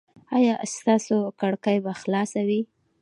ایا ستاسو کړکۍ به خلاصه وي؟